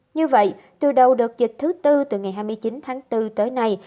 như vậy từ đầu đợt dịch thứ tư từ ngày hai mươi chín tháng bốn tới nay